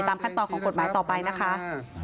ขั้นตอนของกฎหมายต่อไปนะคะ